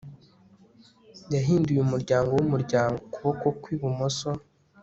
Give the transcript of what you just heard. yahinduye umuryango wumuryango ukuboko kwi bumoso